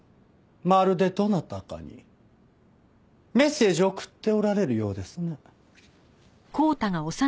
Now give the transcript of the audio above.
まるでどなたかにメッセージを送っておられるようですね。